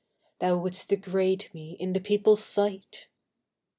Thou wouldst degrade me in the people's sight!